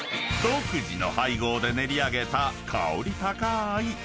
［独自の配合で練り上げた香り高ーい